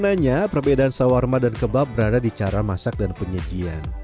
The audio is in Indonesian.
sudahananya perbedaan sawarman dan kebab berada di cara masak dan penyediaan